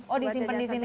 oh disimpan di sini